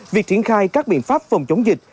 việc triển khai các biện pháp phòng chống dịch